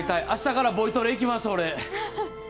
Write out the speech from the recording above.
あしたからボイトレ行きます。